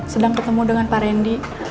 sedang ketemu dengan pak randy